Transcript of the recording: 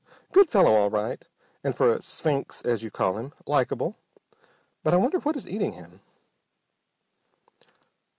Good fellow all right, and, for a 'sphinx' as you call him, likable. But I wonder what is eating him?"